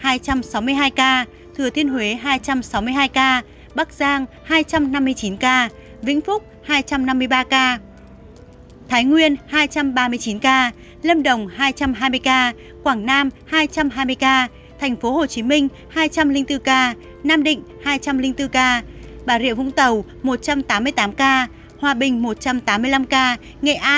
hải phòng hai trăm sáu mươi hai ca thừa thiên huế hai trăm sáu mươi hai ca bắc giang hai trăm năm mươi chín ca vĩnh phúc hai trăm năm mươi ba ca thái nguyên hai trăm ba mươi chín ca lâm đồng hai trăm hai mươi ca quảng nam hai trăm hai mươi ca thành phố hồ chí minh hai trăm linh bốn ca nam định hai trăm linh bốn ca bà rịa vũng tàu một trăm tám mươi tám ca hòa bình một trăm tám mươi năm ca nghệ an một trăm bảy mươi bốn ca đắk nông một trăm năm mươi tám ca